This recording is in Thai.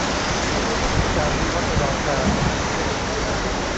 การวิวัฒนาการ